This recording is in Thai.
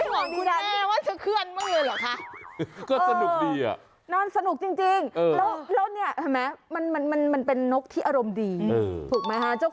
แล้วคุณไม่ห่วงคุณแม่ว่าจะเคลื่อนเมื่อเหรอคะ